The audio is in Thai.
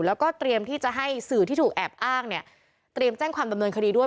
แล้วก็เตรียมที่จะให้สื่อที่ถูกแอบอ้างเนี่ยเตรียมแจ้งความดำเนินคดีด้วย